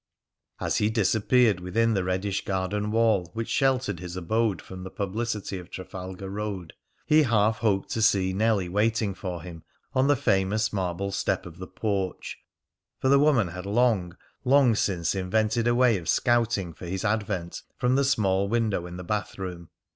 As he disappeared within the reddish garden wall which sheltered his abode from the publicity of Trafalgar Road, he half hoped to see Nellie waiting for him on the famous marble step of the porch, for the woman had long, long since invented a way of scouting for his advent from the small window in the bathroom.